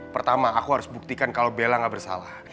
pertama aku harus buktikan kalo bela ga bersalah